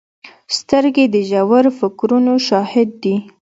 سترګې د ژور فکرونو شاهدې دي